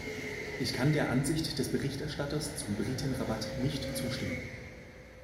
Ich kann der Ansicht des Berichterstatters zum Briten-Rabatt nicht zustimmen.